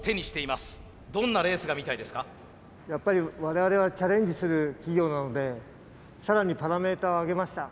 やっぱり我々はチャレンジする企業なので更にパラメーターを上げました。